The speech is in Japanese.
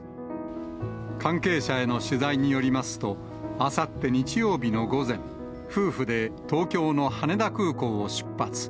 関係者への取材によりますと、あさって日曜日の午前、夫婦で東京の羽田空港を出発。